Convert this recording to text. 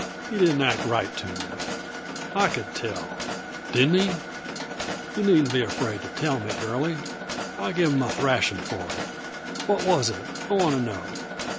He didn't act right to yuh. I could tell. Didn't he? Yuh needn't be afraid to tell me, Girlie. I give him a thrashing for it. What was it? I want to know."